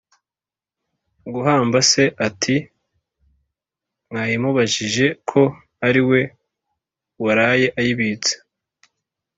guhamba se, ati "mwayimubajije ko ari we waraye ayibitse".